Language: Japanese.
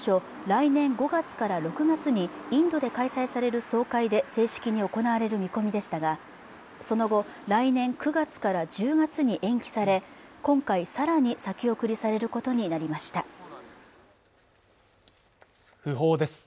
開催地の決定は当初来年５月から６月にインドで開催される総会で正式に行われる見込みでしたがその後来年９月から１０月に延期され今回さらに先送りされることになりました訃報です